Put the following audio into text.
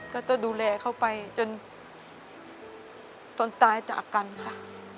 ก็จะดูแลเขาไปจนตอนตายจากกันค่ะ